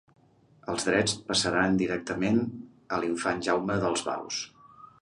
Els drets passaren directament a l'infant Jaume dels Baus.